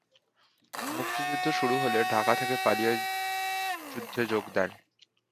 মুক্তিযুদ্ধ শুরু হলে ঢাকা থেকে পালিয়ে যুদ্ধে যোগ দেন।